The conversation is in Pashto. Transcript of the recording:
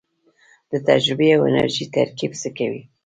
د تجربې او انرژۍ ترکیب څه کوي؟